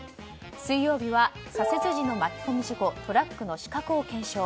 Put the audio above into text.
水曜日は左折時の巻き込み事故トラックの死角を検証。